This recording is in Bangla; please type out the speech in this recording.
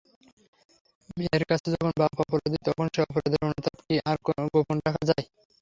মেয়ের কাছে যখন বাপ অপরাধী তখন সে অপরাধের অনুতাপ কি আর গোপন রাখা যায়।